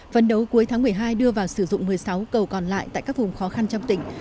vấn đấu cuối tháng một mươi hai đưa vào sử dụng một mươi sáu cầu còn lại tại các vùng khó khăn trong tỉnh